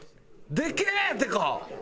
でけえ！ってか。